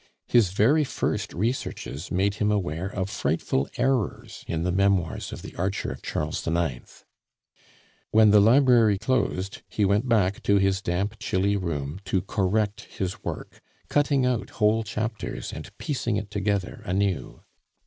His very first researches made him aware of frightful errors in the memoirs of The Archer of Charles IX. When the library closed, he went back to his damp, chilly room to correct his work, cutting out whole chapters and piecing it together anew.